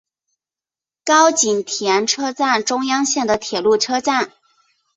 高井田车站中央线的铁路车站。